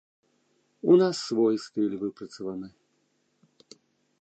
У нас свой стыль выпрацаваны.